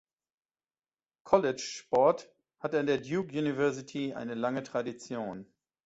College-Sport hat an der Duke University eine lange Tradition.